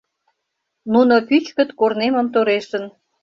Нуно пӱчкыт корнемым торешын